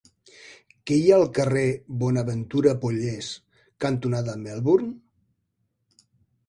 Què hi ha al carrer Bonaventura Pollés cantonada Melbourne?